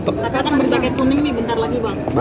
tapi anak berjaga kuning nih bentar lagi bang